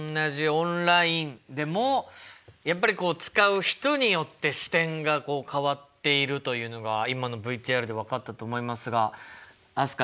オンラインでもやっぱりこう使う人によって視点がこう変わっているというのが今のＶＴＲで分かったと思いますが飛鳥いかがでしたか？